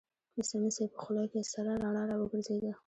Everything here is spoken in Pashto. د سمڅې په خوله کې سره رڼا را وګرځېده.